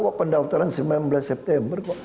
kok pendaftaran sembilan belas september kok